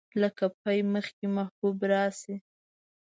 لکه پۍ مخې محبوبې راشي